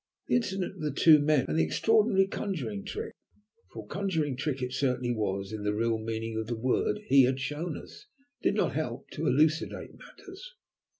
The incident of the two men, and the extraordinary conjuring trick, for conjuring trick it certainly was in the real meaning of the word, he had shown us, did not help to elucidate matters.